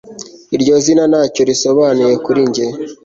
iryo zina ntacyo risobanuye kuri njye